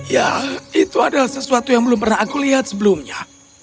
ya itu adalah sesuatu yang belum pernah aku lihat sebelumnya